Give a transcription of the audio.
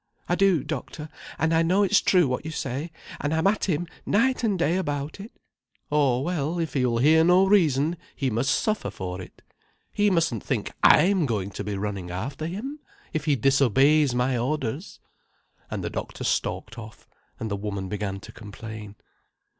"I do, doctor. And I know it's true what you say. An' I'm at him night an' day about it—" "Oh well, if he will hear no reason, he must suffer for it. He mustn't think I'm going to be running after him, if he disobeys my orders." And the doctor stalked off, and the woman began to complain.